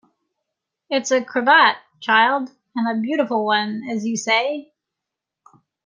It’s a cravat, child, and a beautiful one, as you say.